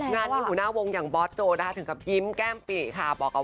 งานที่หัวหน้าวงบอทโจด้ายถึงกับกิ้มแก้มปิก